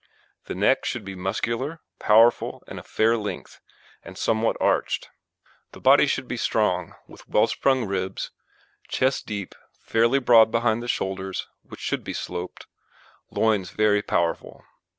THE NECK should be muscular, powerful and of fair length, and somewhat arched. THE BODY should be strong, with well sprung ribs, chest deep, fairly broad behind the shoulders, which should be sloped, loins very powerful.